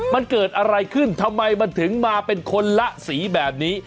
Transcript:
มันเกิดอะไรขึ้นทำไมมันถึงมาเป็นคนละสีแบบนี้